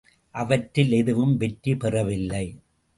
அவற்றில் எதுவும் வெற்றி பெறவில்லை.